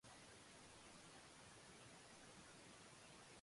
追ってそう願う事にしよう